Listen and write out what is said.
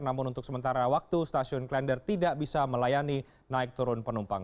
namun untuk sementara waktu stasiun klender tidak bisa melayani naik turun penumpang